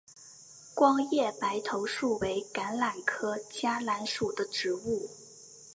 光叶白头树为橄榄科嘉榄属的植物。